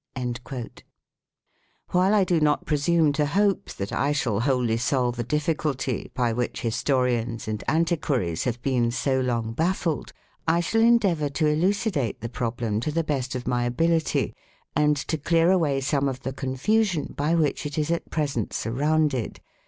2 While I 'do not presume to hope that I shall wholly solve a difficulty by which historians and antiquaries have been so long baffled, I shall endeavour to elucidate the problem to the best of my ability and to clear away some of the confusion by which it is at present surrounded.